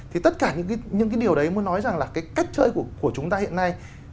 thì tất cả những cái điều đấy muốn nói rằng là cái cách chơi của chúng ta hiện nay